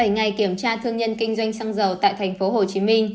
bảy ngày kiểm tra thương nhân kinh doanh xăng dầu tại tp hcm